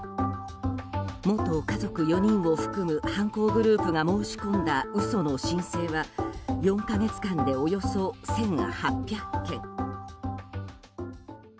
元家族４人を含む犯行グループが申し込んだ嘘の申請は４か月間でおよそ１８００件。